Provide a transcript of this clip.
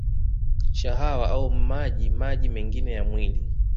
Shahawa au maji maji mengine ya mwili